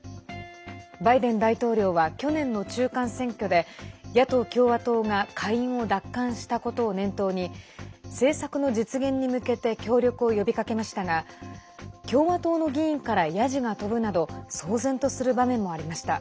バイデン大統領は去年の中間選挙で野党・共和党が下院を奪還したことを念頭に政策の実現に向けて協力を呼びかけましたが共和党の議員からやじが飛ぶなど騒然とする場面もありました。